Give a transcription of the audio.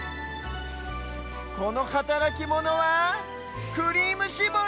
このはたらきモノは「クリームしぼり」！